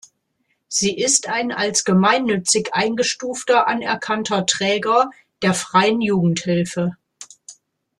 Sie ist ein als gemeinnützig eingestufter anerkannter Träger der freien Jugendhilfe.